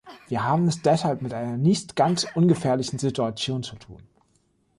Wir haben es deshalb mit einer nicht ganz ungefährlichen Situation zu tun.